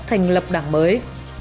thành lập đảng mới